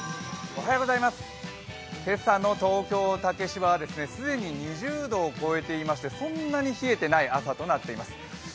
今朝の東京・竹芝は既に２０度を超えていましてそんなに冷えてない朝となっています。